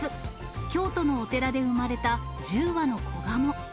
ことし６月、京都のお寺で産まれた１０羽の子ガモ。